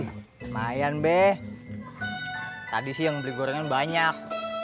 lumayan deh tadi sih yang beli gorengan banyak